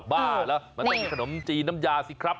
บ้าแล้วมาเต้นขนมจีนน้ำยาสิครับ